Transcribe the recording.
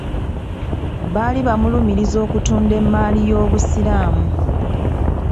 Baali bamulumiriza okutunda emmaali y'Obusiraamu.